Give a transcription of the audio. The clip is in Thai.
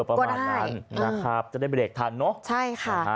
ประมาณนั้นนะครับจะได้เบรกทันเนอะใช่ค่ะ